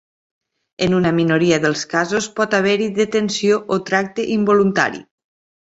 En una minoria dels casos pot haver-hi detenció o tracte involuntari.